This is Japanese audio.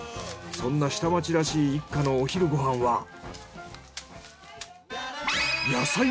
そんな下町らしい一家のお昼ご飯は。